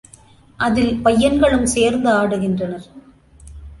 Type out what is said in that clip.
அதில் பையன்களும் சேர்ந்து ஆடுகின்றனர்.